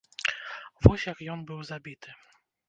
Вось як ён быў забіты.